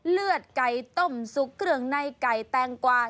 เลือดไก่ต้มซุปเครื่องในไก่แตงกวา